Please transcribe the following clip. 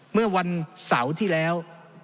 เมื่อวันเสาร์ที่แล้ว